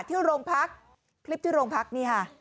ที่โรงพักคลิปที่โรงพักนี่ค่ะ